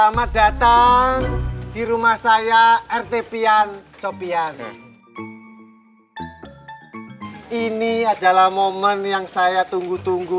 selamat datang di rumah saya rt pian sopian ini adalah momen yang saya tunggu tunggu